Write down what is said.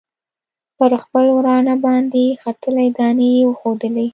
پر خپل ورانه باندې ختلي دانې یې وښودلې.